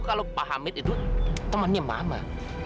kalau pak hamid itu temannya mama